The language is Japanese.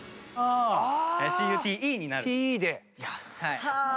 ＣＵＴＥになる。